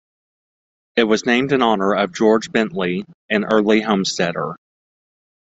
It was named in honour of George Bentley, an early homesteader.